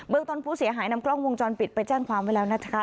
ต้นผู้เสียหายนำกล้องวงจรปิดไปแจ้งความไว้แล้วนะคะ